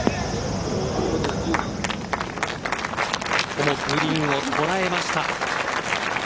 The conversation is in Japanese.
ここもグリーンを捉えました。